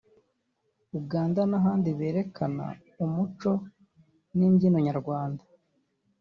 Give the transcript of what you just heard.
Uganda n’ahandi berekana umuco n’imbyino Nyarwanda